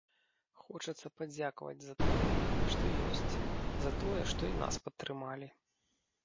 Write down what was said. Хочацца падзякаваць за тое, што ёсць, за тое, што і нас падтрымалі.